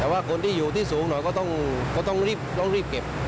แต่ว่าคนที่อยู่ที่สูงหน่อยก็ต้องรีบเก็บ